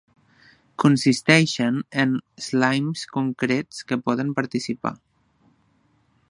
Consisteixen en Slimes concrets que poden participar